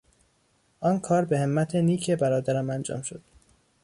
آن کار به همت نیک برادرم انجام شد.